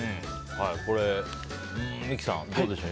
これ、三木さんどうでしょう。